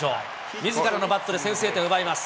みずからのバットで先制点を奪います。